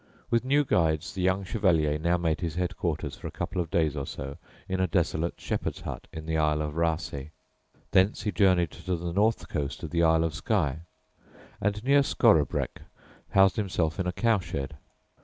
With new guides the young Chevalier now made his headquarters for a couple of days or so in a desolate shepherd's hut in the Isle of Raasay; thence he journeyed to the north coast of the Isle of Skye, and near Scorobreck housed himself in a cow shed.